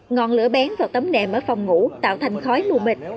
ngọn lửa bén vào tấm nẹm ở phòng ngủ tạo thành khói lù mịt